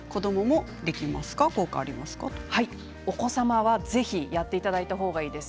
お子様はぜひやっていただいた方がいいです。